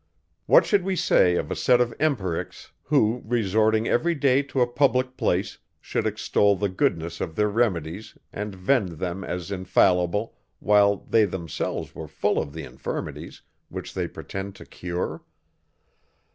What should we say of a set of empirics, who, resorting every day to a public place, should extol the goodness of their remedies, and vend them as infallible, while they themselves were full of the infirmities, which they pretend to cure?